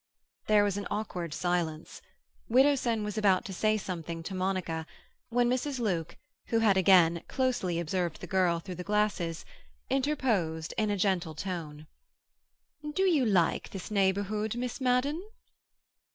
There was an awkward silence. Widdowson was about to say something to Monica, when Mrs. Luke, who had again closely observed the girl through the glasses, interposed in a gentle tone. "Do you like this neighbourhood, Miss Madden?"